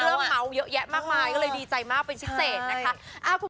เรื่องเม้าเยอะแยะมากก็เลยดีใจมากเป็นพิเศษนะคะ